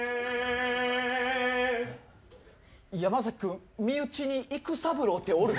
ヤマザキ君身内に育三郎っておる？